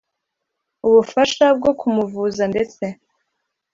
ubufasha bwo kumuvuza ndetse